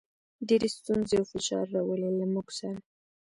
ډېرې ستونزې او فشار راولي، له موږ سره.